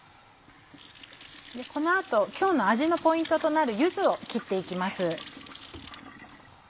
この後今日の味のポイントとなる柚子を切っていきます。